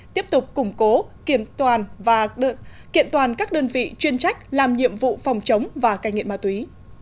tiếp tục củng cố kiện toàn các đơn vị chuyên trách làm nhiệm vụ phòng chống và cai nghiện ma túy